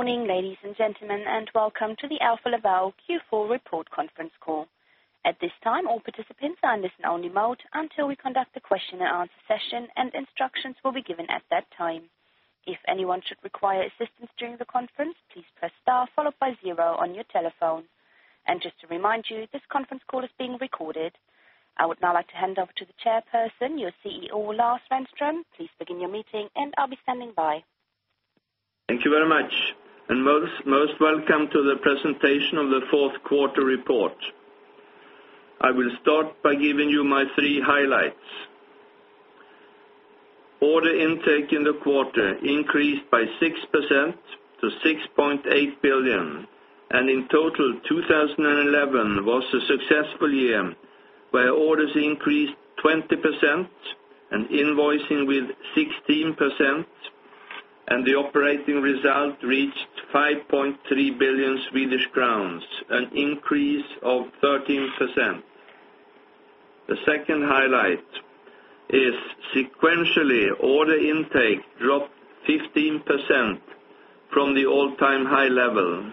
Morning, ladies and gentlemen, and Welcome to the Alfa Laval Q4 Report Conference Call. At this time, all participants are in listen-only mode until we conduct the question and answer session, and instructions will be given at that time. If anyone should require assistance during the conference, please press star followed by zero on your telephone. Just to remind you, this conference call is being recorded. I would now like to hand over to the Chairperson, your CEO, Lars Renström. Please begin your meeting, and I'll be standing by. Thank you very much. Most welcome to the presentation of the fourth quarter report. I will start by giving you my three highlights. Order intake in the quarter increased by 6% to 6.8 billion. In total, 2011 was a successful year where orders increased 20% and invoicing with 16%, and the operating result reached 5.3 billion Swedish crowns, an increase of 13%. The second highlight is sequentially, order intake dropped 15% from the all-time high-level.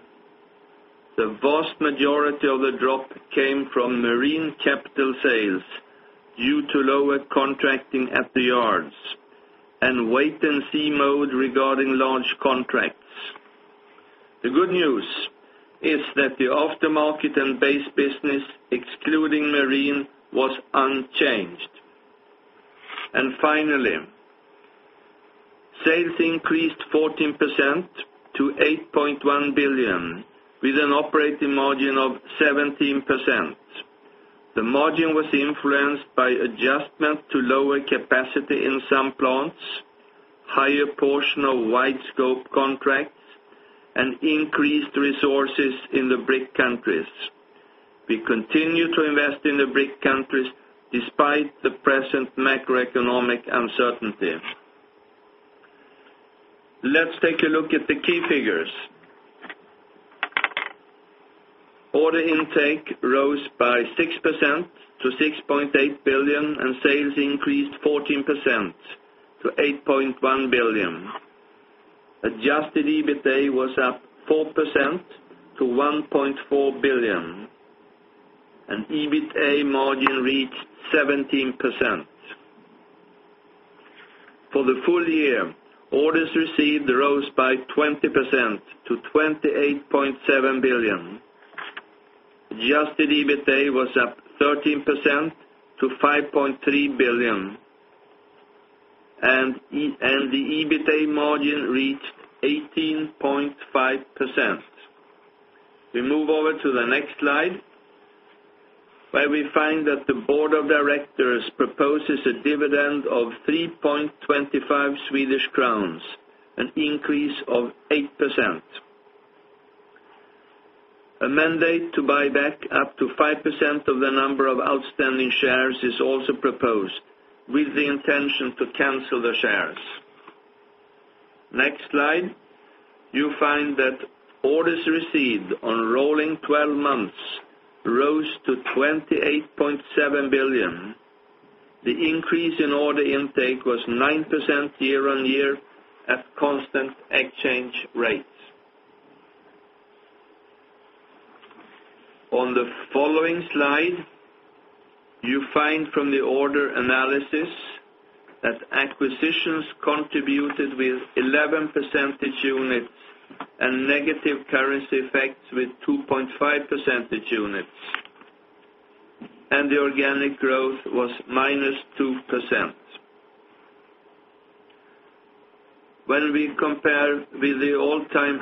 The vast majority of the drop came from marine capital sales due to lower contracting at the yards and wait-and-see mode regarding large contracts. The good news is that the aftermarket and base business, excluding marine, was unchanged. Finally, sales increased 14% to 8.1 billion with an operating margin of 17%. The margin was influenced by adjustment to lower capacity in some plants, a higher portion of wide-scope contracts, and increased resources in the BRIC countries. We continue to invest in the BRIC countries despite the present macroeconomic uncertainty. Let's take a look at the key figures. Order intake rose by 6% to 6.8 billion, and sales increased 14% to 8.1 billion. Adjusted EBITDA was up 4% to 1.4 billion, and EBITDA margin reached 17%. For the full year, orders received rose by 20% to 28.7 billion. Adjusted EBITDA was up 13% to 5.3 billion, and the EBITDA margin reached 18.5%. We move over to the next slide where we find that the Board of Directors proposes a dividend of 3.25 Swedish crowns, an increase of 8%. A mandate to buy back up to 5% of the number of outstanding shares is also proposed with the intention to cancel the shares. Next slide. You find that orders received on rolling 12 months rose to 28.7 billion. The increase in order intake was 9% year-on-year at constant exchange rates. On the following slide, you find from the order analysis that acquisitions contributed with 11 percentage units and negative currency effects with 2.5 percentage units. The organic growth was -2%. When we compare with the all-time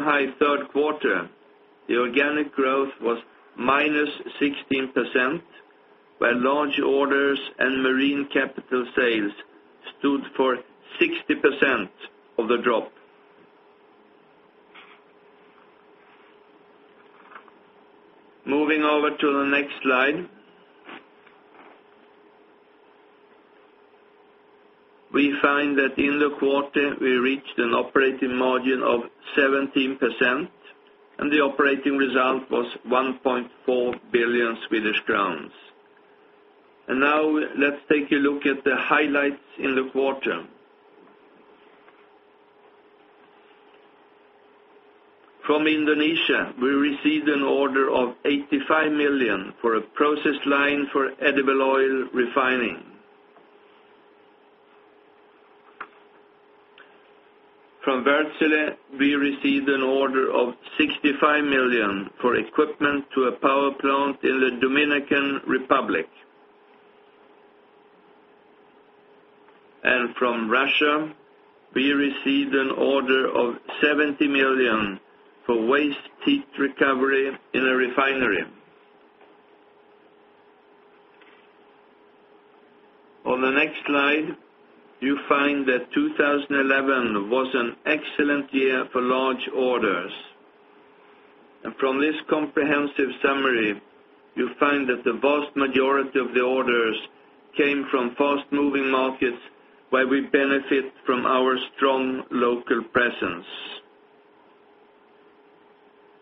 high third quarter, the organic growth was -16%, where large orders and marine capital sales stood for 60% of the drop. Moving over to the next slide, we find that in the quarter, we reached an operating margin of 17%, and the operating result was 1.4 billion Swedish crowns. Now, let's take a look at the highlights in the quarter. From Indonesia, we received an order of 85 million for a process line for edible oil refining. From Versailles, we received an order of $65 million for equipment to a power plant in the Dominican Republic. From Russia, we received an order of $70 million for waste heat recovery in a refinery. On the next slide, you find that 2011 was an excellent year for large orders. From this comprehensive summary, you find that the vast majority of the orders came from fast-moving markets where we benefit from our strong local presence.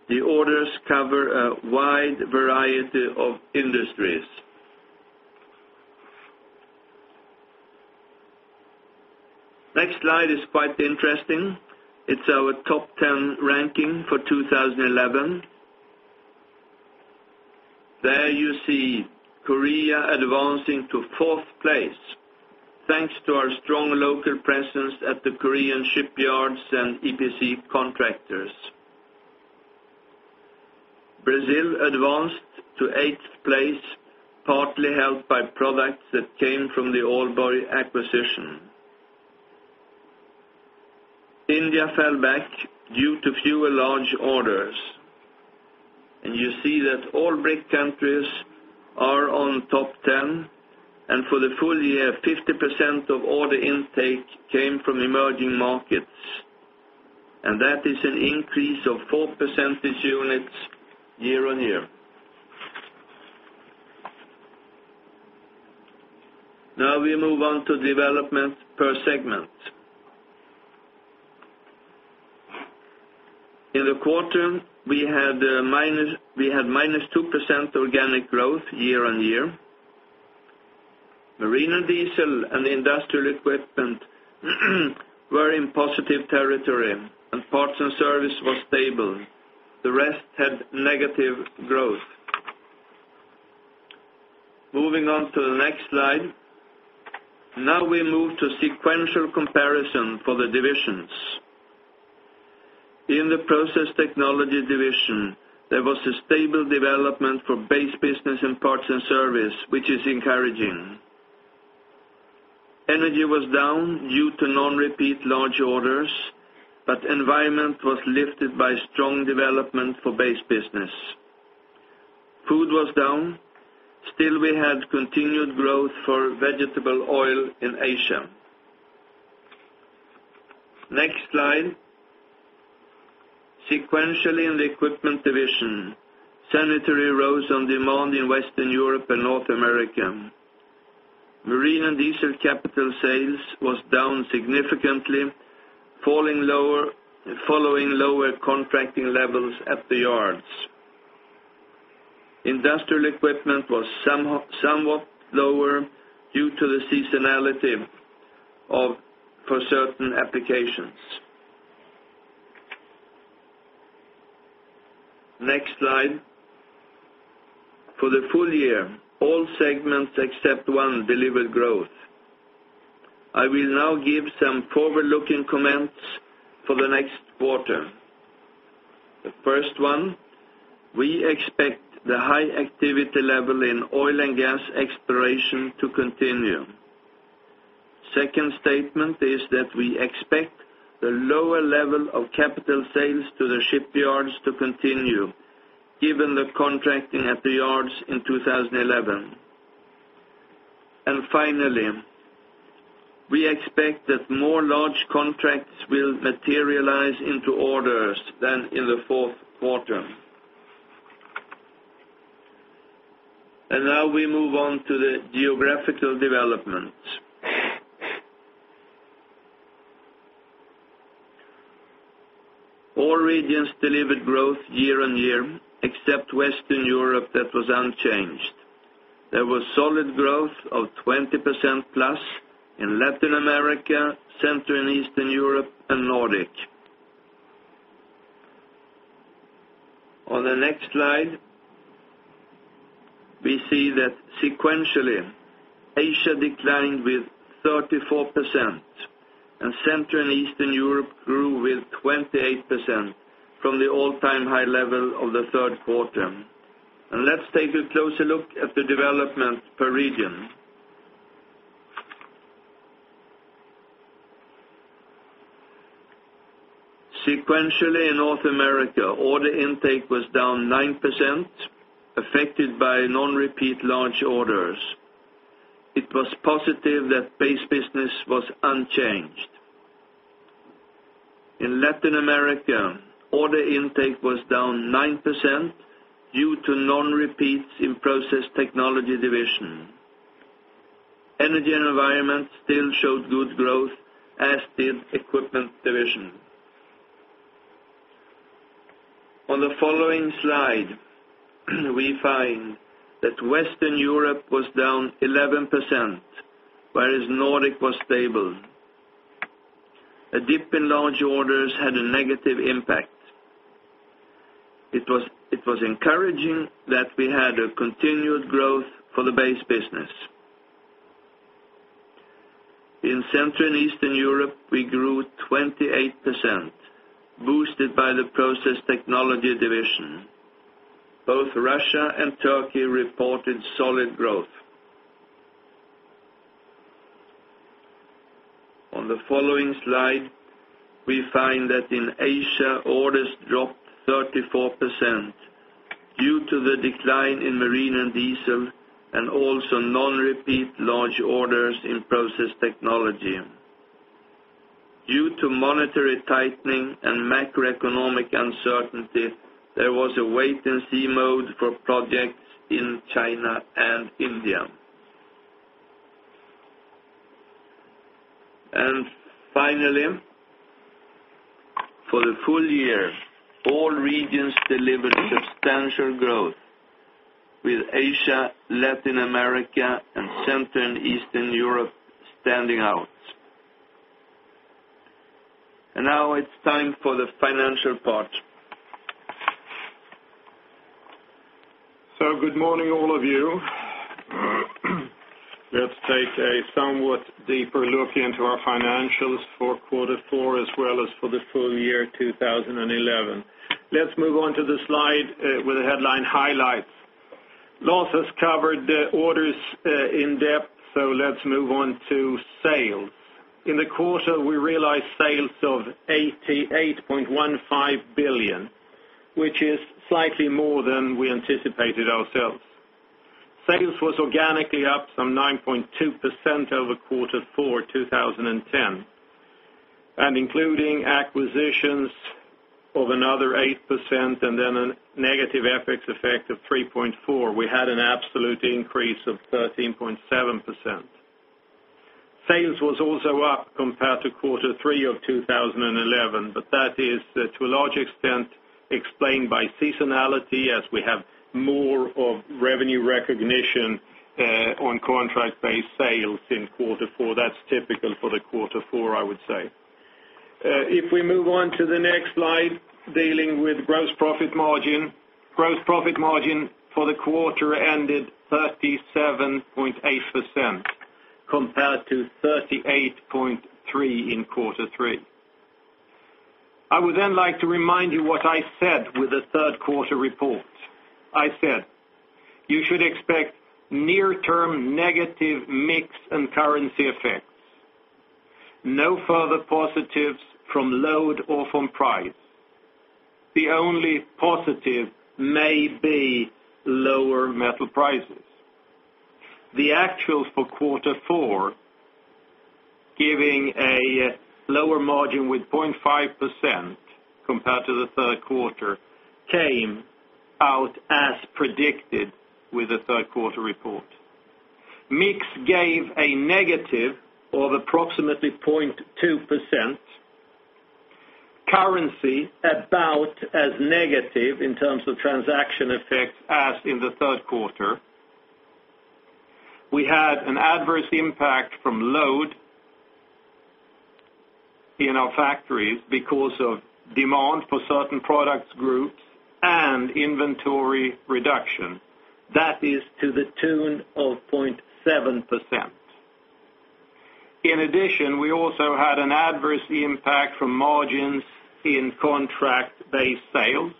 The orders cover a wide variety of industries. The next slide is quite interesting. It's our top 10 ranking for 2011. There you see Korea advancing to fourth place thanks to our strong local presence at the Korean shipyards and EPC contractors. Brazil advanced to eighth place, partly helped by products that came from the Aalborg acquisition. India fell back due to fewer large orders. You see that all BRIC countries are in the top 10. For the full year, 50% of order intake came from emerging markets. That is an increase of 4% year-on-year. Now we move on to development per segment. In the quarter, we had -2% organic growth year-on-year. Marine and diesel and industrial equipment were in positive territory, and parts and service was stable. The rest had negative growth. Moving on to the next slide. Now we move to sequential comparison for the divisions. In the process technology division, there was a stable development for base business and parts and service, which is encouraging. Energy was down due to non-repeat large orders, but environment was lifted by strong development for base business. Food was down. Still, we had continued growth for vegetable oil in Asia. Next slide. Sequentially, in the equipment division, sanitary rose on demand in Western Europe and North America. Marine and diesel capital sales were down significantly, following lower contracting levels at the yards. Industrial equipment was somewhat lower due to the seasonality for certain applications. Next slide. For the full year, all segments except one delivered growth. I will now give some forward-looking comments for the next quarter. The first one, we expect the high-activity level in oil and gas exploration to continue. The second statement is that we expect the lower level of capital sales to the shipyards to continue, given the contracting at the yards in 2011. Finally, we expect that more large contracts will materialize into orders than in the fourth quarter. Now we move on to the geographical developments. All regions delivered growth year-on-year except Western Europe that was unchanged. There was solid growth of 20%+ in Latin America, Central and Eastern Europe, and Nordic. On the next slide, we see that sequentially, Asia declined with 34%, and Central and Eastern Europe grew with 28% from the all-time high level of the third quarter. Let's take a closer look at the development per region. Sequentially, in North America, order intake was down 9%, affected by non-repeat large orders. It was positive that base business was unchanged. In Latin America, order intake was down 9% due to non-repeats in Process Technology division. Energy and Environment still showed good growth, as did Equipment division. On the following slide, we find that Western Europe was down 11%, whereas Nordic was stable. A dip in large orders had a negative impact. It was encouraging that we had continued growth for the base business. In Central and Eastern Europe, we grew 28%, boosted by the Process Technology division. Both Russia and Turkey reported solid growth. On the following slide, we find that in Asia, orders dropped 34% due to the decline in marine and diesel and also non-repeat large orders in Process Technology. Due to monetary tightening and macroeconomic uncertainty, there was a wait-and-see mode for projects in China and India. Finally, for the full year, all regions delivered substantial growth, with Asia, Latin America, and Central and Eastern Europe standing out. Now it's time for the financial part. Good morning, all of you. Let's take a somewhat deeper look into our financials for quarter four as well as for the full year 2011. Let's move on to the slide with the headline highlights. Lars has covered the orders in depth, so let's move on to sales. In the quarter, we realized sales of 8.815 billion, which is slightly more than we anticipated ourselves. Sales were organically up some 9.2% over quarter four, 2010. Including acquisitions of another 8% and then a negative FX effect of 3.4%, we had an absolute increase of 13.7%. Sales were also up compared to quarter three of 2011, but that is to a large extent explained by seasonality as we have more of revenue recognition on contract-based sales in quarter four. That's typical for the quarter four, I would say. If we move on to the next slide dealing with gross profit margin, gross profit margin for the quarter ended 37.8% compared to 38.3% in quarter three. I would then like to remind you what I said with the third quarter report. I said you should expect near-term negative mix and currency effects. No further positives from load or from price. The only positive may be lower metal prices. The actuals for quarter four, giving a lower margin with 0.5% compared to the third quarter, came out as predicted with the third quarter report. Mix gave a negative of approximately 0.2%. Currency about as negative in terms of transaction effects as in the third quarter. We had an adverse impact from load in our factories because of demand for certain product groups and inventory reduction. That is to the tune of 0.7%. In addition, we also had an adverse impact from margins in contract-based sales.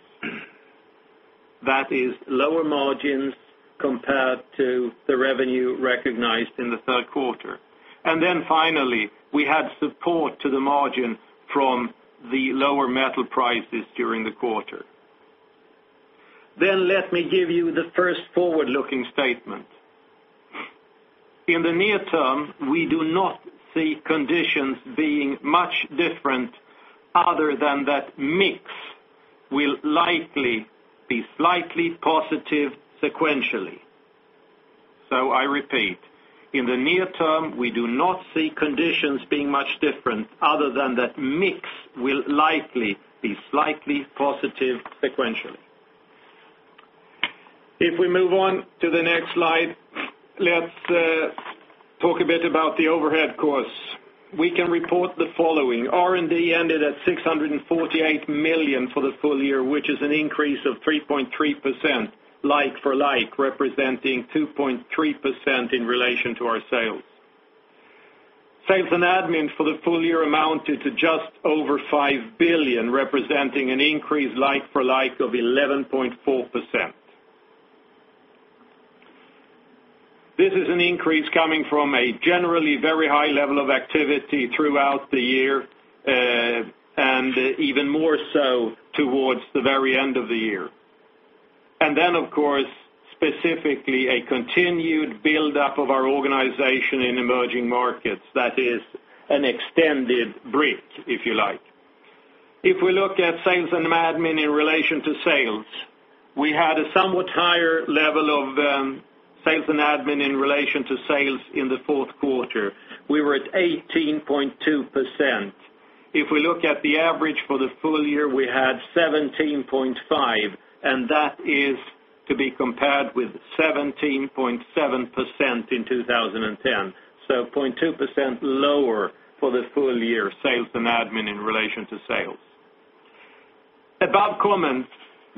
That is lower margins compared to the revenue recognized in the third quarter. Finally, we had support to the margin from the lower metal prices during the quarter. Let me give you the first forward-looking statement. In the near term, we do not see conditions being much different other than that mix will likely be slightly positive sequentially. I repeat, in the near term, we do not see conditions being much different other than that mix will likely be slightly positive sequentially. If we move on to the next slide, let's talk a bit about the overhead costs. We can report the following. R&D ended at 648 million for the full year, which is an increase of 3.3% like-for-like, representing 2.3% in relation to our sales. Sales and admin for the full year amounted to just over 5 billion, representing an increase like-for-like of 11.4%. This is an increase coming from a generally very high level of activity throughout the year and even more so towards the very end of the year. Of course, specifically a continued build-up of our organization in emerging markets. That is an extended BRIC, if you like. If we look at sales and admin in relation to sales, we had a somewhat higher level of sales and admin in relation to sales in the fourth quarter. We were at 18.2%. If we look at the average for the full year, we had 17.5%, and that is to be compared with 17.7% in 2010. So 0.2% lower for the full year sales and admin in relation to sales. Above comments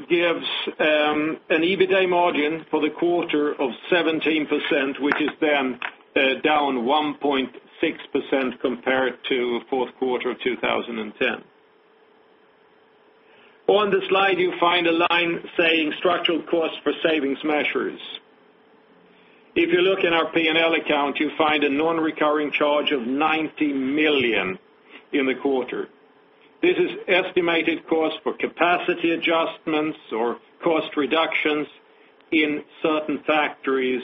give an EBITDA margin for the quarter of 17%, which is then down 1.6% compared to the fourth quarter of 2010. On the slide, you find a line saying structural costs for savings measures. If you look in our P&L account, you find a non-recurring charge of 90 million in the quarter. This is estimated cost for capacity adjustments or cost reductions in certain factories,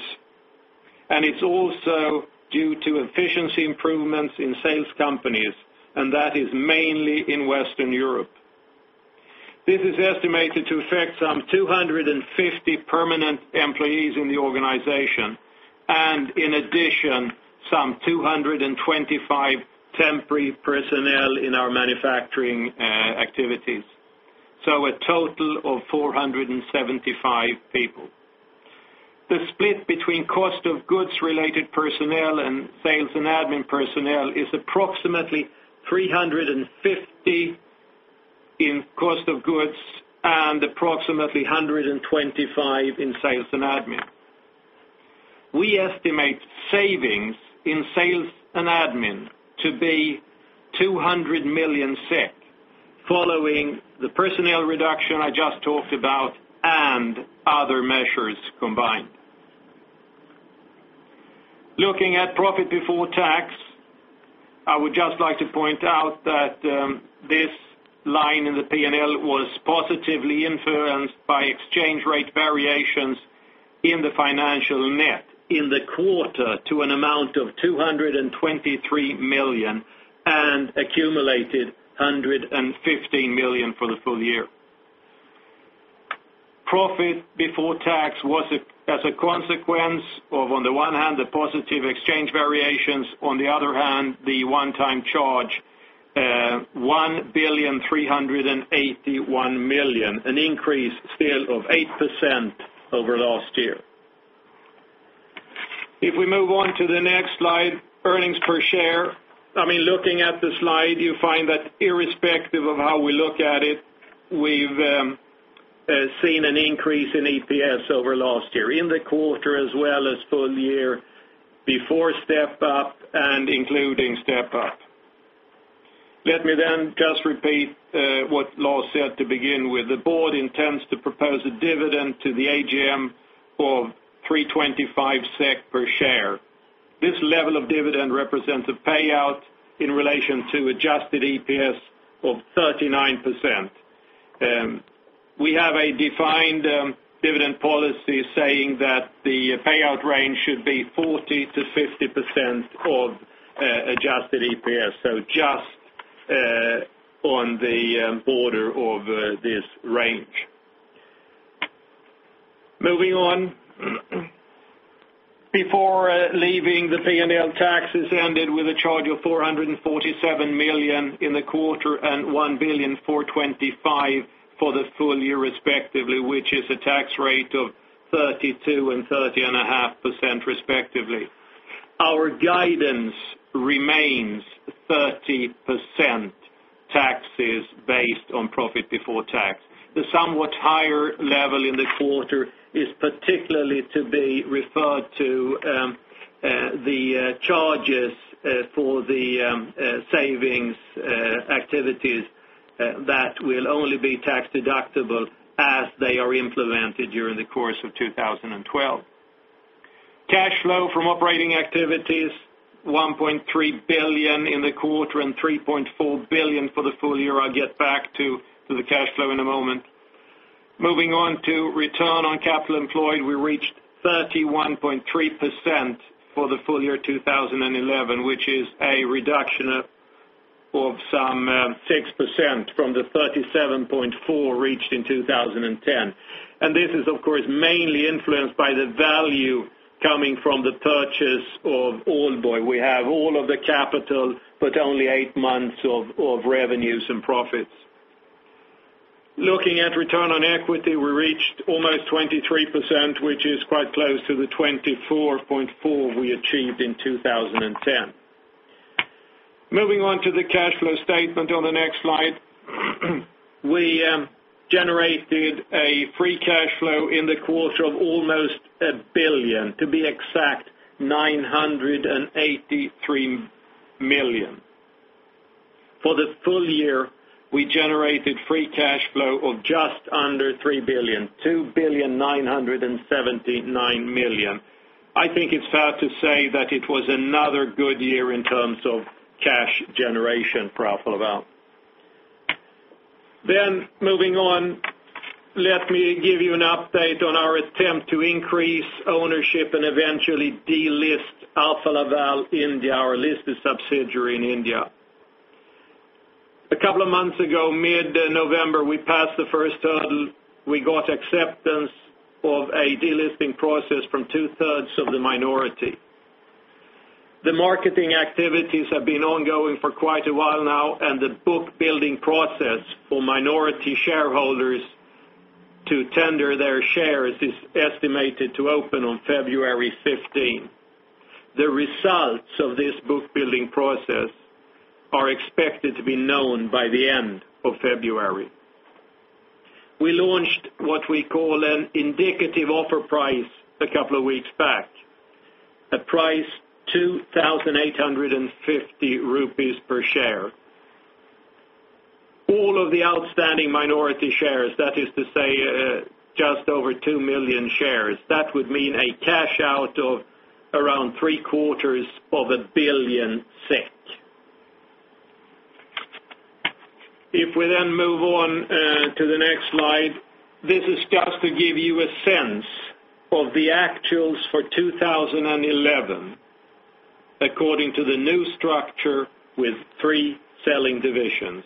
and it's also due to efficiency improvements in sales companies, and that is mainly in Western Europe. This is estimated to affect some 250 permanent employees in the organization and, in addition, some 225 temporary personnel in our manufacturing activities. A total of 475 people. The split between cost of goods-related personnel and sales and administrative personnel is approximately 350 in cost of goods and approximately 125 in sales and administrative. We estimate savings in sales and administrative to be 200 million SEK set following the personnel reduction I just talked about and other measures combined. Looking at profit before tax, I would just like to point out that this line in the P&L was positively influenced by exchange rate variations in the financial net in the quarter to an amount of 223 million and accumulated 115 million for the full year. Profit before tax was, as a consequence of, on the one hand, the positive exchange variations, on the other hand, the one-time charge, 1,381,000,000, an increase still of 8% over last year. If we move on to the next slide, earnings per share, I mean, looking at the slide, you find that irrespective of how we look at it, we've seen an increase in EPS over last year in the quarter as well as full year before step-up and including step-up. Let me then just repeat what Lars said to begin with. The Board intends to propose a dividend to the AGM of 3.25 SEK per share. This level of dividend represents a payout in relation to adjusted EPS of 39%. We have a defined dividend policy saying that the payout range should be 40%-50% of adjusted EPS, so just on the border of this range. Moving on. Before leaving, the P&L taxes ended with a charge of 447 million in the quarter and 1,425,000,000 for the full year, respectively, which is a tax rate of 32% and 30.5%, respectively. Our guidance remains 30% taxes based on profit before tax. The somewhat higher level in the quarter is particularly to be referred to the charges for the savings activities that will only be tax deductible as they are implemented during the course of 2012. Cash flow from operating activities, 1.3 billion in the quarter and 3.4 billion for the full year. I'll get back to the cash flow in a moment. Moving on to return on capital employed, we reached 31.3% for the full year 2011, which is a reduction of some 6% from the 37.4% reached in 2010. This is, of course, mainly influenced by the value coming from the purchase of Onboy. We have all of the capital, but only eight months of revenues and profits. Looking at return on equity, we reached almost 23%, which is quite close to the 24.4% we achieved in 2010. Moving on to the cash flow statement on the next slide, we generated a free cash flow in the quarter of almost 1 billion, to be exact, 983 million. For the full year, we generated free cash flow of just under 3 billion, 2,979,000,000. I think it's fair to say that it was another good year in terms of cash generation for Alfa Laval. Let me give you an update on our attempt to increase ownership and eventually delist Alfa Laval India, our listed subsidiary in India. A couple of months ago, mid-November, we passed the first hurdle. We got acceptance of a delisting process from two-thirds of the minority. The marketing activities have been ongoing for quite a while now, and the book-building process for minority shareholders to tender their shares is estimated to open on February 15. The results of this book-building process are expected to be known by the end of February. We launched what we call an indicative offer price a couple of weeks back, a price of 2,850 rupees per share. All of the outstanding minority shares, that is to say just over 2 million shares, that would mean a cash out of around three-quarters of a billion SEK. If we move on to the next slide, this is just to give you a sense of the actuals for 2011 according to the new structure with three selling divisions.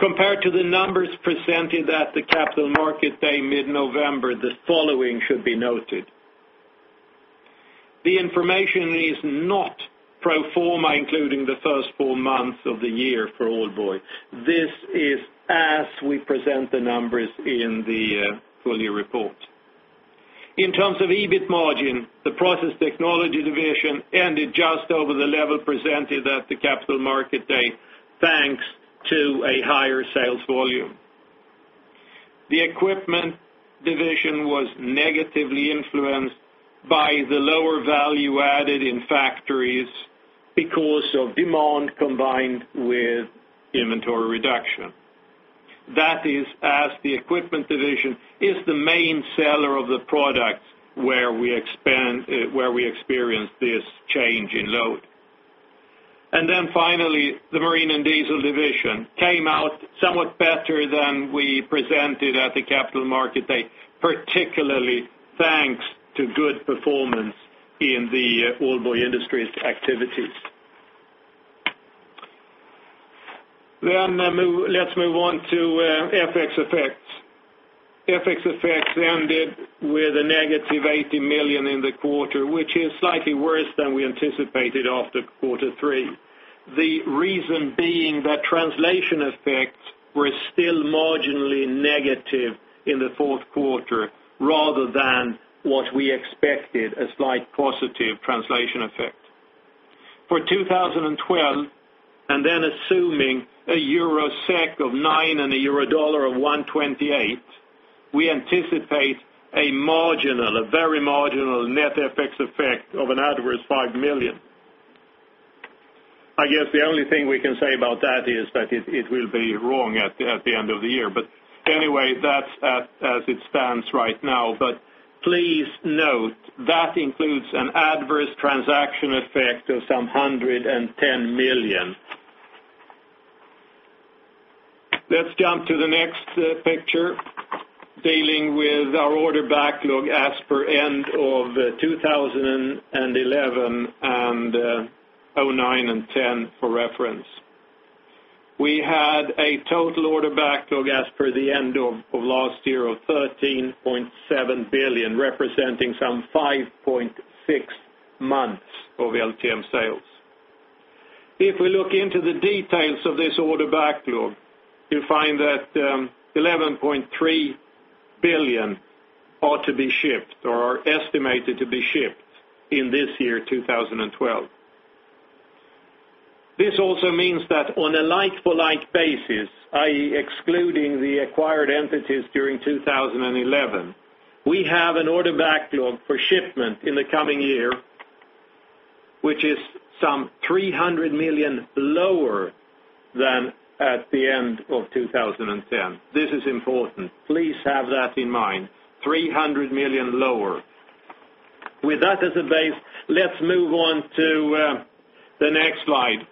Compared to the numbers presented at the Capital Market Day mid-November, the following should be noted. The information is not pro forma, including the first four months of the year for Onboy. This is as we present the numbers in the full year report. In terms of EBIT margin, the Process Technology division ended just over the level presented at the Capital Market Day, thanks to a higher sales volume. The Equipment division was negatively influenced by the lower value added in factories because of demand combined with inventory reduction. That is as the Equipment division is the main seller of the products where we experienced this change in load. Finally, the Marine and Diesel division came out somewhat better than we presented at the Capital Market Day, particularly thanks to good performance in the Allboy Industries activities. Let's move on to FX effects. FX effects ended with a negative 80 million in the quarter, which is slightly worse than we anticipated after quarter three. The reason being that translation effects were still marginally negative in the fourth quarter rather than what we expected, a slight positive translation effect. For 2012, assuming a EUR/SEK of 9 and a EUR/USD of 1.28, we anticipate a marginal, a very marginal net FX effect of an adverse 5 million. I guess the only thing we can say about that is that it will be wrong at the end of the year. Anyway, that's as it stands right now. Please note that includes an adverse transaction effect of some 110 million. Let's jump to the next picture, dealing with our order backlog as per end of 2011 and 2009 and 2010 for reference. We had a total order backlog as per the end of last year of 13.7 billion, representing some 5.6 months of LTM sales. If we look into the details of this order backlog, you find that 11.3 billion are to be shipped or are estimated to be shipped in this year, 2012. This also means that on a like-for-like basis, i.e., excluding the acquired entities during 2011, we have an order backlog for shipment in the coming year, which is some 300 million lower than at the end of 2010. This is important. Please have that in mind. 300 million lower. With that as a base, let's move on to the next slide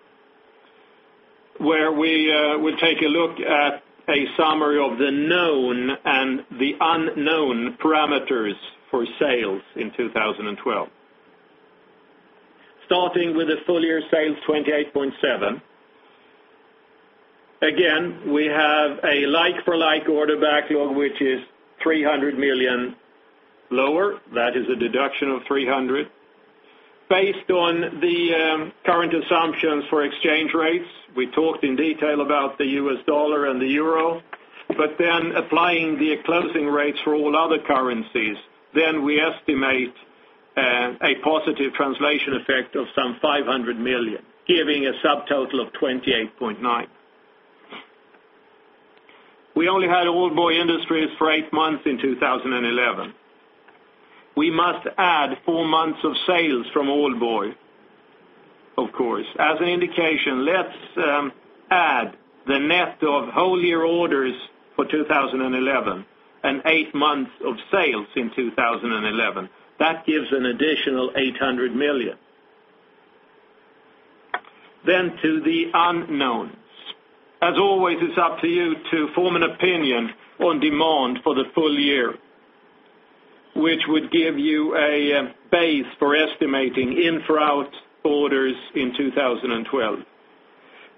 where we will take a look at a summary of the known and the unknown parameters for sales in 2012. Starting with the full year sales 28.7 billion. Again, we have a like-for-like order backlog, which is 300 million lower. That is a deduction of 300 million. Based on the current assumptions for exchange rates, we talked in detail about the U.S. dollar and the euro. Applying the closing rates for all other currencies, we estimate a positive translation effect of some 500 million, giving a subtotal of 28.9 billion. We only had Aalborg Industries for eight months in 2011. We must add four months of sales from Aalborg, of course. As an indication, let's add the net of whole year orders for 2011 and eight months of sales in 2011. That gives an additional 800 million. To the unknowns. As always, it's up to you to form an opinion on demand for the full year, which would give you a base for estimating infra-out orders in 2012.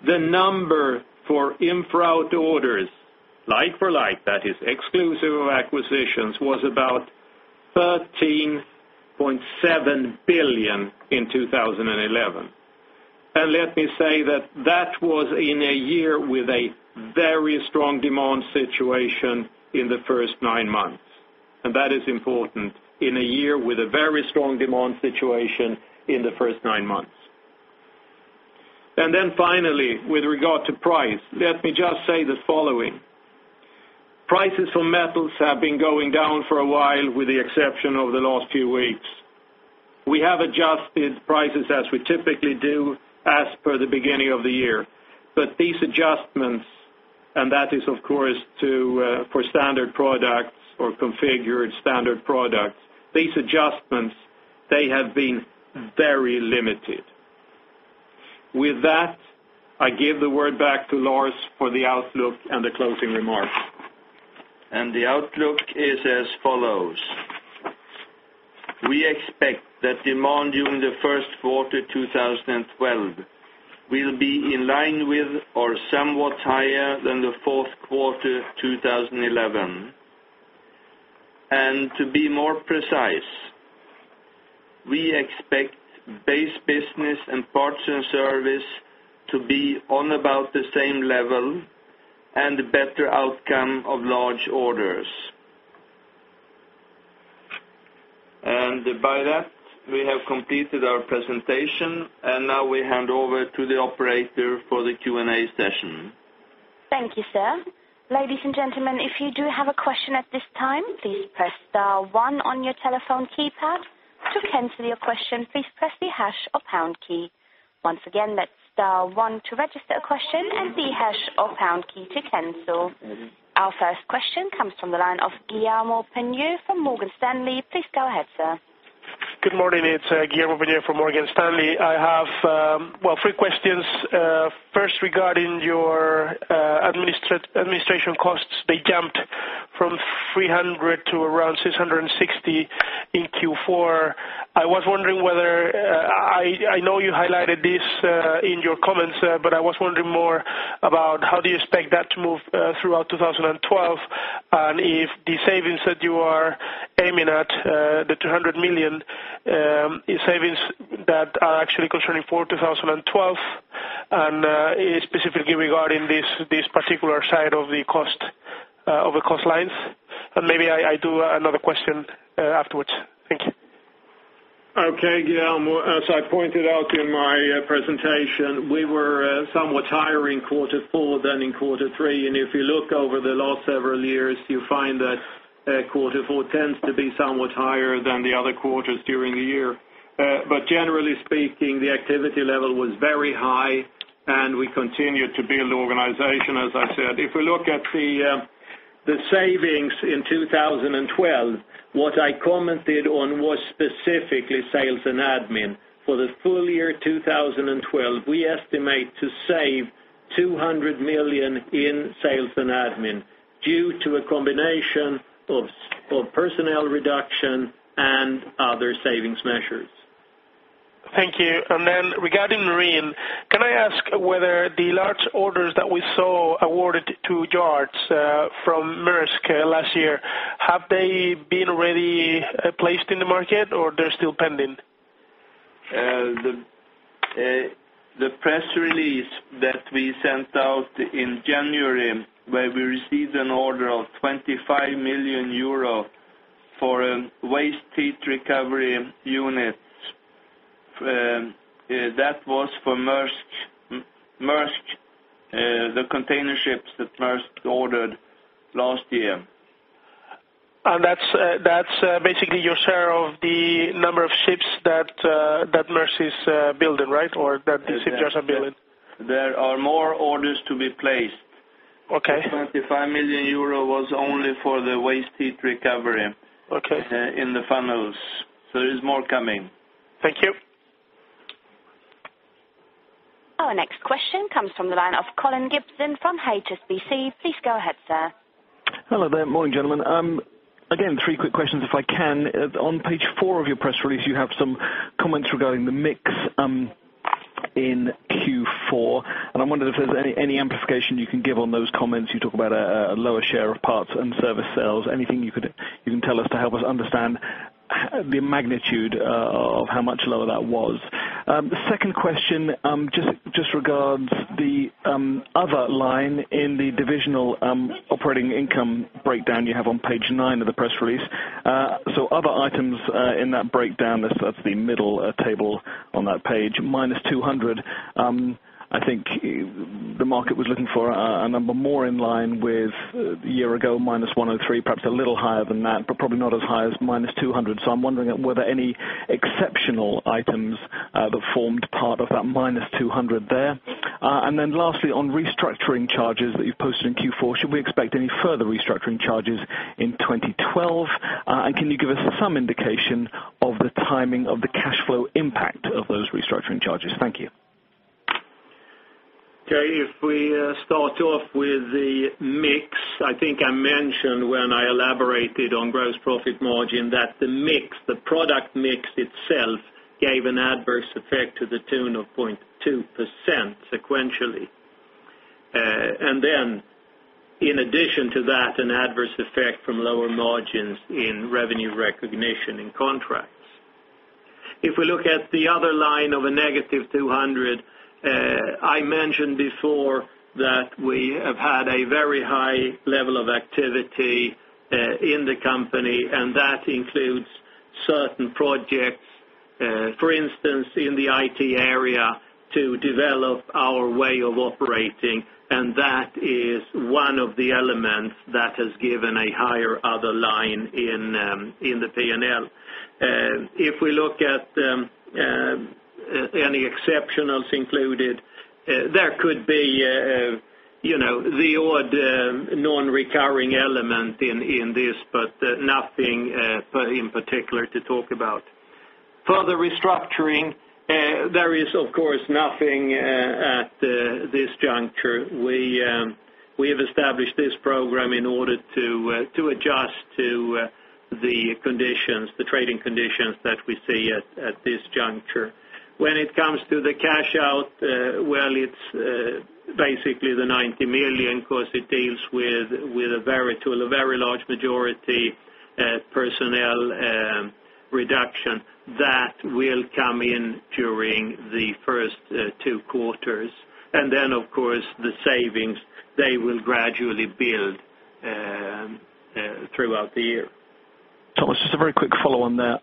The number for infra-out orders, like-for-like, that is exclusive of acquisitions, was about 13.7 billion in 2011. Let me say that that was in a year with a very strong demand situation in the first nine months. That is important in a year with a very strong demand situation in the first nine months. Finally, with regard to price, let me just say the following. Prices for metals have been going down for a while with the exception of the last few weeks. We have adjusted prices as we typically do as per the beginning of the year. These adjustments, and that is, of course, for standard products or configured standard products, have been very limited. With that, I give the word back to Lars for the outlook and the closing remarks. The outlook is as follows. We expect that demand during the first quarter of 2012 will be in line with or somewhat higher than the fourth quarter of 2011. To be more precise, we expect base business and parts and service to be on about the same level and a better outcome of large orders. By that, we have completed our presentation, and now we hand over to the operator for the Q&A session. Thank you, sir. Ladies and gentlemen, if you do have a question at this time, please press star one on your telephone keypad. To cancel your question, please press the hash or pound key. Once again, that's star one to register a question and the hash or pound key to cancel. Our first question comes from the line of [Guillermo Pena] from Morgan Stanley. Please go ahead, sir. Good morning. It's [Guillermo Pena] from Morgan Stanley. I have three questions. First, regarding your administration costs, they jumped from 300 million to around 660 million in Q4. I was wondering, I know you highlighted this in your comments, but I was wondering more about how you expect that to move throughout 2012? If the savings that you are aiming at, the 200 million, is savings that are actually concerning for 2012 and specifically regarding this particular side of the cost lines? Maybe I do another question afterwards. Thank you. Okay, Guillermo. As I pointed out in my presentation, we were somewhat higher in quarter four than in quarter three. If you look over the last several years, you find that quarter four tends to be somewhat higher than the other quarters during the year. Generally speaking, the activity level was very high, and we continued to build the organization, as I said. If we look at the savings in 2012, what I commented on was specifically sales and admin. For the full year 2012, we estimate to save 200 million in sales and admin due to a combination of personnel reduction and other savings measures. Thank you. Regarding marine, can I ask whether the large orders that we saw awarded to yards from Maersk last year have they been already placed in the market or they're still pending? The press release that we sent out in January, where we received an order of 25 million euro for waste heat recovery units, that was for Maersk, the container ships that Maersk ordered last year. That's basically your share of the number of ships that Maersk is building, right? Or that these ships just are building? There are more orders to be placed. Okay. 25 million euro was only for the waste heat recovery. Okay. There is more coming in the funnels. Thank you. Our next question comes from the line of Colin Gibson from HSBC. Please go ahead, sir. Hello. Morning, gentlemen. Again, three quick questions, if I can. On page four of your press release, you have some comments regarding the mix in Q4. I wondered if there's any amplification you can give on those comments. You talk about a lower share of parts and service sales. Anything you can tell us to help us understand the magnitude of how much lower that was? The second question just regards the other line in the divisional operating income breakdown you have on page nine of the press release. Other items in that breakdown, that's the middle table on that page, -200 million. I think the market was looking for a number more in line with a year ago, -103 million, perhaps a little higher than that, but probably not as high as -200 million. I'm wondering were there any exceptional items that formed part of that -200 million there? Lastly, on restructuring charges that you've posted in Q4, should we expect any further restructuring charges in 2012? Can you give us some indication of the timing of the cash flow impact of those restructuring charges? Thank you. Okay. If we start off with the mix, I think I mentioned when I elaborated on gross profit margin that the mix, the product mix itself, gave an adverse effect to the tune of 0.2% sequentially. In addition to that, an adverse effect from lower margins in revenue recognition in contracts. If we look at the other line of a -200, I mentioned before that we have had a very high level of activity in the company, and that includes certain projects, for instance, in the IT area, to develop our way of operating. That is one of the elements that has given a higher other line in the P&L. If we look at any exceptionals included, there could be the odd non-recurring element in this, but nothing in particular to talk about. Further restructuring, there is, of course, nothing at this juncture. We have established this program in order to adjust to the conditions, the trading conditions that we see at this juncture. When it comes to the cash out, it's basically the 90 million because it deals with a very, to a very large majority, personnel reduction that will come in during the first two quarters. The savings will gradually build throughout the year. It's just a very quick follow-on there.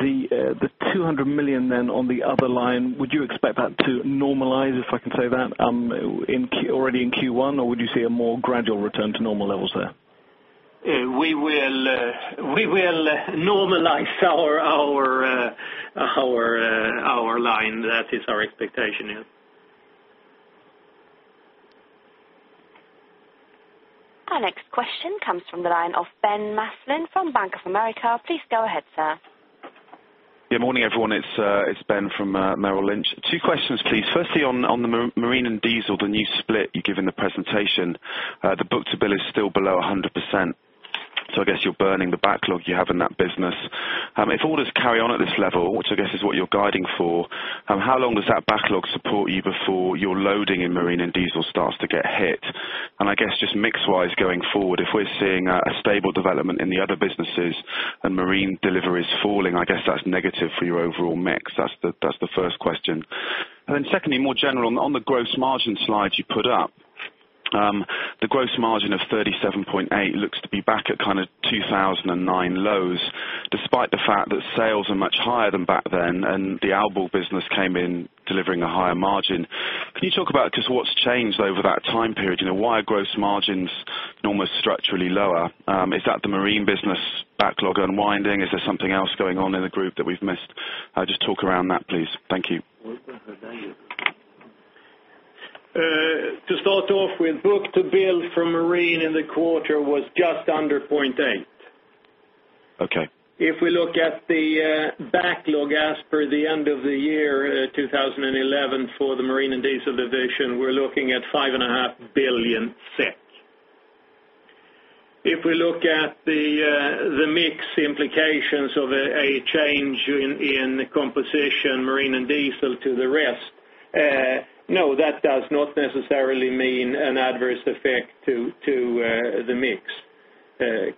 The 200 million then on the other line, would you expect that to normalize, if I can say that, already in Q1, or would you see a more gradual return to normal levels there? We will normalize our line. That is our expectation, yes. Our next question comes from the line of Ben Maslin from Bank of America. Please go ahead, sir. Good morning, everyone. It's Ben from Merrill Lynch. Two questions, please. Firstly, on the marine and diesel, the new split you give in the presentation, the book-to-bill is still below 100%. I guess you're burning the backlog you have in that business. If orders carry on at this level, which I guess is what you're guiding for, how long does that backlog support you before your loading in marine and diesel starts to get hit? I guess just mix-wise going forward, if we're seeing a stable development in the other businesses and marine delivery is falling, I guess that's negative for your overall mix. That's the first question. Secondly, more general, on the gross margin slide you put up, the gross margin of 37.8% looks to be back at kind of 2009 lows, despite the fact that sales are much higher than back then, and the Albo business came in delivering a higher margin. Can you talk about, because what's changed over that time period? Why are gross margins normally structurally lower? Is that the marine business backlog unwinding? Is there something else going on in the group that we've missed? Just talk around that, please. Thank you. To start off with, book-to-bill from Marine in the quarter was just under 0.8. Okay. If we look at the backlog as per the end of the year 2011 for the Marine and Diesel division, we're looking at 5.5 billion. If we look at the mix implications of a change in composition, Marine and Diesel to the rest, no, that does not necessarily mean an adverse effect to the mix.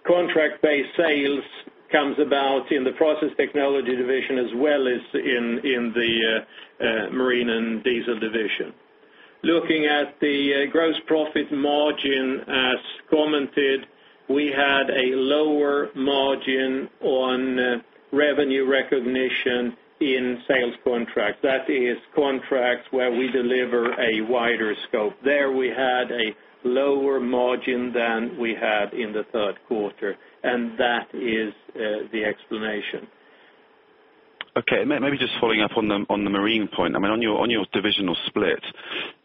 Contract-based sales comes about in the Process Technology division as well as in the Marine and Diesel division. Looking at the gross profit margin, as commented, we had a lower margin on revenue recognition in sales contracts. That is, contracts where we deliver a wider scope. There we had a lower margin than we had in the third quarter. That is the explanation. Okay. Maybe just following up on the marine point. I mean, on your divisional split,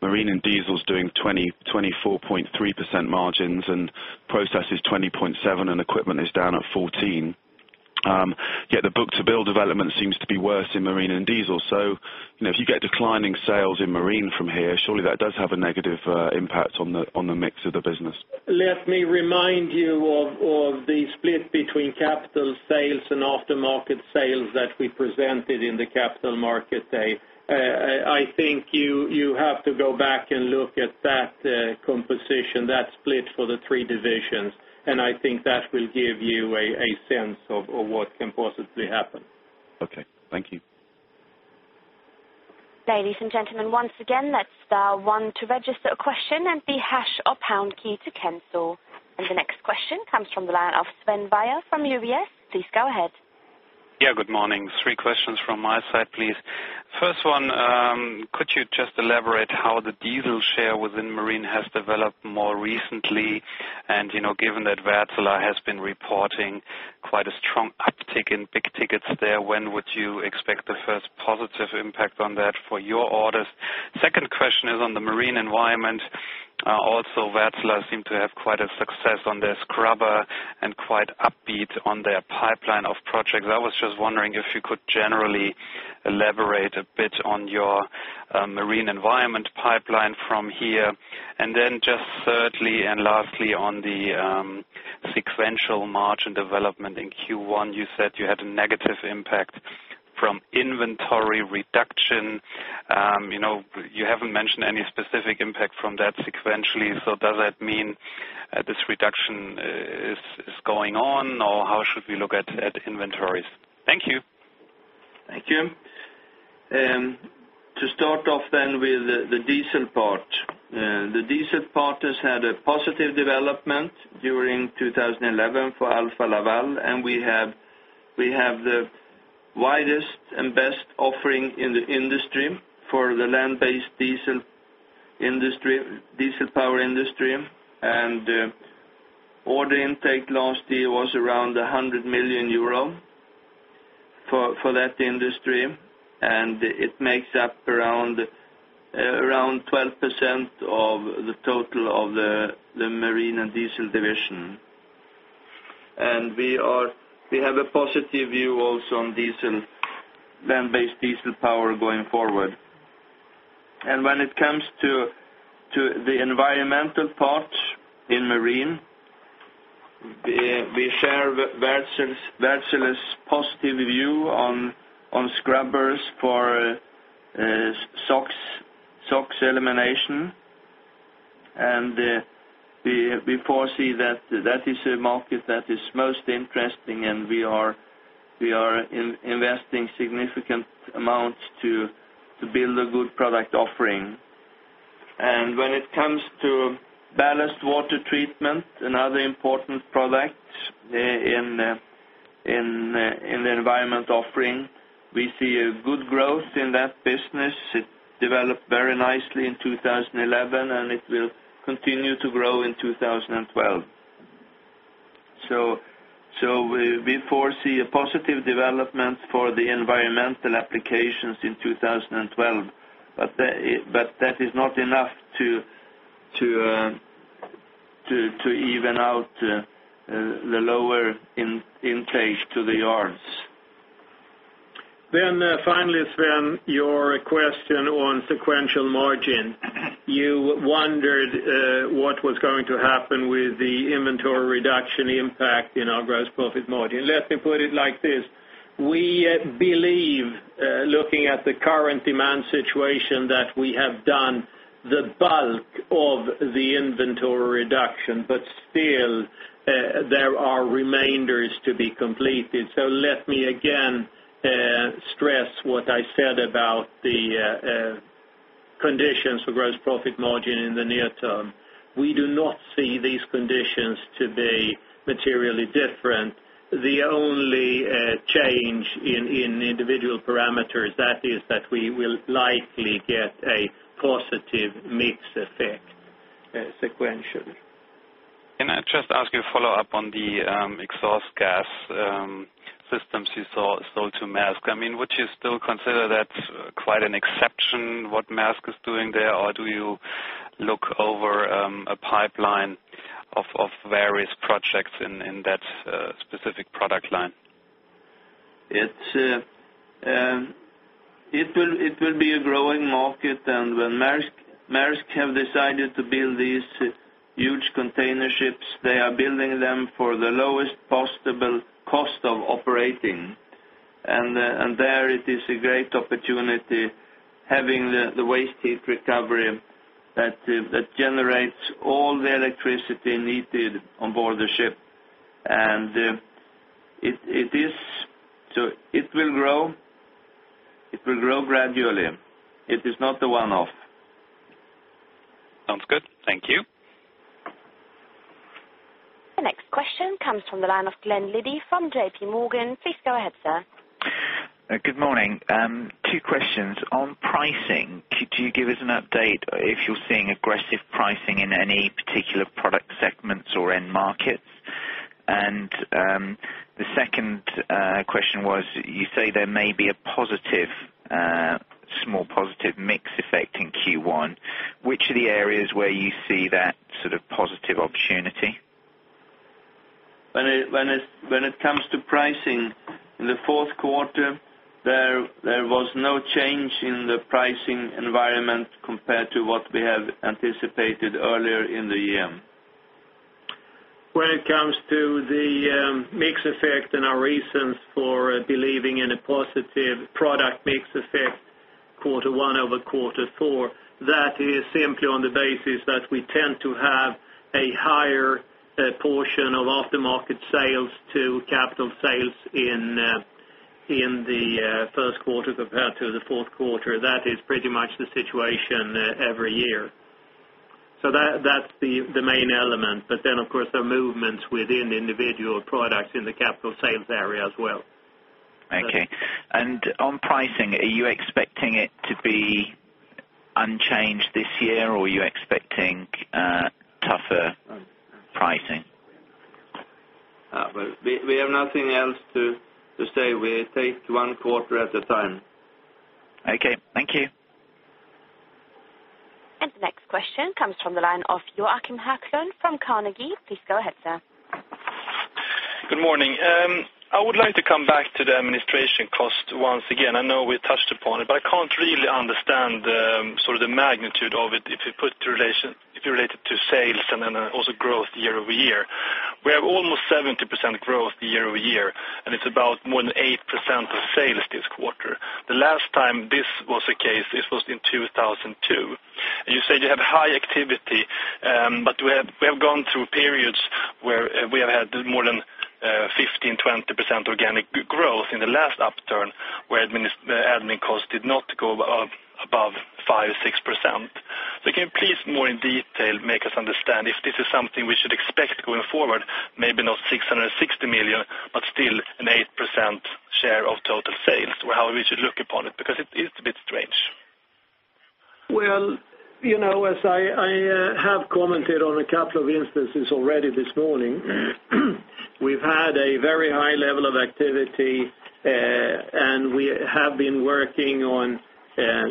Marine and Diesel is doing 24.3% margins and Process is 20.7% and Equipment is down at 14%. Yet the book-to-bill development seems to be worse in Marine and Diesel. If you get declining sales in Marine from here, surely that does have a negative impact on the mix of the business. Let me remind you of the split between capital sales and aftermarket sales that we presented in the Capital Market Day. I think you have to go back and look at that composition, that split for the three divisions. I think that will give you a sense of what can possibly happen. Okay, thank you. Ladies and gentlemen, once again, that's star one to register a question and the hash or pound key to cancel. The next question comes from the line of Sven Weier from UBS. Please go ahead. Yeah, good morning. Three questions from my side, please. First one, could you just elaborate how the diesel share within marine has developed more recently? Given that Wärtsilä has been reporting quite a strong uptick in big tickets there, when would you expect the first positive impact on that for your orders? Second question is on the marine environment. Also, Wärtsilä seemed to have quite a success on their scrubber and quite upbeat on their pipeline of projects. I was just wondering if you could generally elaborate a bit on your marine environment pipeline from here. Thirdly and lastly, on the sequential margin development in Q1, you said you had a negative impact from inventory reduction. You haven't mentioned any specific impact from that sequentially. Does that mean this reduction is going on or how should we look at inventories? Thank you. Thank you. To start off with the diesel part. The diesel part has had a positive development during 2011 for Alfa Laval, and we have the widest and best offering in the industry for the land-based diesel power industry. Order intake last year was around 100 million euro for that industry. It makes up around 12% of the total of the marine and diesel division. We have a positive view also on land-based diesel power going forward. When it comes to the environmental part in marine, we share Wärtsilä's positive view on scrubbers for SOX elimination. We foresee that is a market that is most interesting, and we are investing significant amounts to build a good product offering. When it comes to ballast water treatment, another important product in the environment offering, we see a good growth in that business. It developed very nicely in 2011, and it will continue to grow in 2012. We foresee a positive development for the environmental applications in 2012. That is not enough to even out the lower intake to the yards. Finally, Sven, your question on sequential margin. You wondered what was going to happen with the inventory reduction impact in our gross profit margin. Let me put it like this. We believe, looking at the current demand situation, that we have done the bulk of the inventory reduction, but still there are remainders to be completed. Let me again stress what I said about the conditions for gross profit margin in the near term. We do not see these conditions to be materially different. The only change in individual parameters is that we will likely get a positive mix effect sequentially. Can I just ask you to follow up on the exhaust gas cleaning products you saw sold to Maersk? I mean, would you still consider that quite an exception what Maersk is doing there, or do you look over a pipeline of various projects in that specific product line? It will be a growing market. When Maersk have decided to build these huge container ships, they are building them for the lowest possible cost of operating. There it is a great opportunity, having the waste heat recovery that generates all the electricity needed on board the ship. It will grow. It will grow gradually. It is not a one-off. Sounds good. Thank you. The next question comes from the line of Glen Liddy from JPMorgan. Please go ahead, sir. Good morning. Two questions. On pricing, could you give us an update if you're seeing aggressive pricing in any particular product segments or end markets? The second question was, you say there may be a small positive mix effect in Q1. Which are the areas where you see that sort of positive opportunity? When it comes to pricing, in the fourth quarter, there was no change in the pricing environment compared to what we have anticipated earlier in the year. When it comes to the mix effect and our reasons for believing in a positive product mix effect quarter one over quarter four, that is simply on the basis that we tend to have a higher portion of aftermarket sales to capital sales in the first quarter compared to the fourth quarter. That is pretty much the situation every year. That's the main element. Of course, there are movements within individual products in the capital sales area as well. Okay. On pricing, are you expecting it to be unchanged this year, or are you expecting tougher pricing? We have nothing else to say. We take one quarter at a time. Okay, thank you. The next question comes from the line of Joakim Höglund from Carnegie. Please go ahead, sir. Good morning. I would like to come back to the administration cost once again. I know we touched upon it, but I can't really understand sort of the magnitude of it if you relate it to sales and then also growth year-over-year. We have almost 70% growth year-over-year, and it's about more than 8% of sales this quarter. The last time this was the case, it was in 2002. You said you had high activity, but we have gone through periods where we have had more than 15%, 20% organic growth in the last upturn where admin costs did not go above 5% or 6%. Can you please more in detail make us understand if this is something we should expect going forward, maybe not 660 million, but still an 8% share of total sales or how we should look upon it because it is a bit strange? As I have commented on a couple of instances already this morning, we've had a very high level of activity, and we have been working on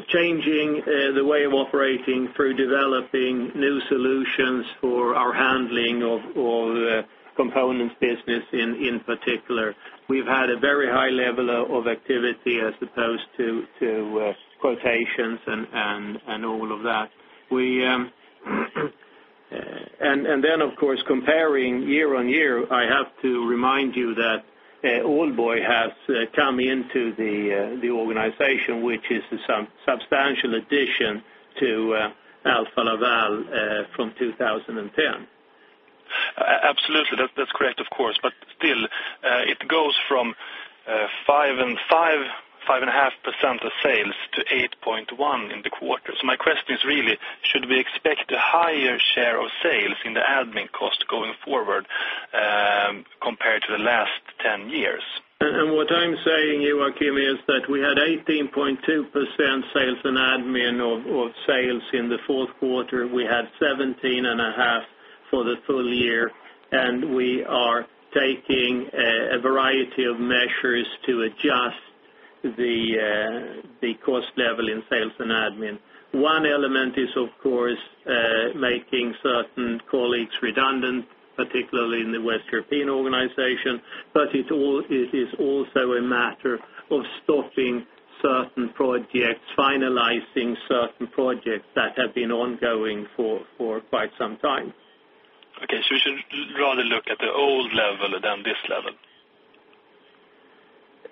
changing the way of operating through developing new solutions for our handling of components business in particular. We've had a very high level of activity as opposed to quotations and all of that. Of course, comparing year on year, I have to remind you that Allboy has come into the organization, which is a substantial addition to Alfa Laval from 2010. Absolutely. That's correct, of course. It goes from 5.5% of sales to 8.1% in the quarter. My question is really, should we expect a higher share of sales in the admin cost going forward compared to the last 10 years? What I'm saying, Joakim, is that we had 18.2% sales and admin of sales in the fourth quarter. We had 17.5% for the full year. We are taking a variety of measures to adjust the cost level in sales and admin. One element is, of course, making certain colleagues redundant, particularly in the West European organization. It is also a matter of stopping certain projects, finalizing certain projects that have been ongoing for quite some time. Okay, we should rather look at the old level than this level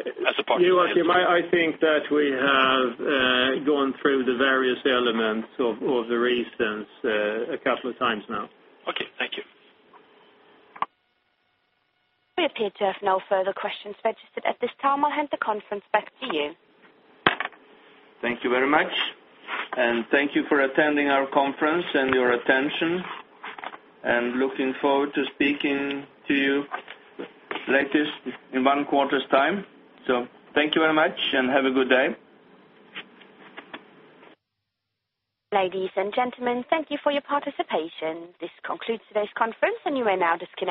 as a part of the. Joakim, I think that we have gone through the various elements of the reasons a couple of times now. Okay. Thank you. We have no further questions registered at this time. I'll hand the conference back to you. Thank you very much. Thank you for attending our conference and your attention. I am looking forward to speaking to you latest in one quarter's time. Thank you very much and have a good day. Ladies and gentlemen, thank you for your participation. This concludes today's conference, and you may now disconnect.